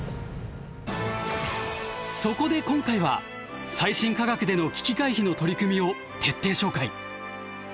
そこで今回は最新科学での危機回避の取り組みを徹底紹介。